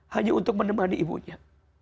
hanya untuk menemani ibunya